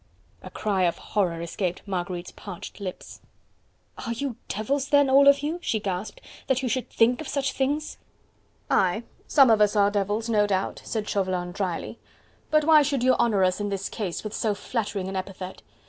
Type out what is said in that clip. A cry of horror escaped Marguerite's parched lips. "Are you devils then, all of you," she gasped, "that you should think of such things?" "Aye! some of us are devils, no doubt," said Chauvelin drily; "but why should you honour us in this case with so flattering an epithet?